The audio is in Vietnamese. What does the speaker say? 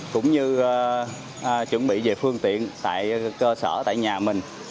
cũng như chuẩn bị về phương tiện tại cơ sở tại nhà mình